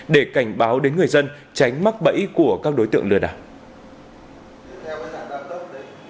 để cảnh báo đến người dân tránh mắc bẫy của các đối tượng lừa đảo